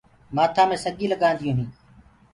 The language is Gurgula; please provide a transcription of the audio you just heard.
مآٿآ مي سڳيٚ لگانديونٚ هينٚ